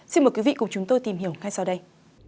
xin mời quý vị cùng chúng tôi tìm hiểu ngay sau đây